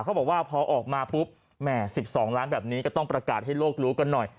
เขาบอกว่าพอออกมาปุ๊บแหม๑๒ล้านแบบนี้ก็ต้องประกาศให้โลกรู้กันหน่อย